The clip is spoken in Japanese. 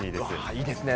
いいですね。